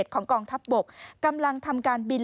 ของกองทัพบกกำลังทำการบิน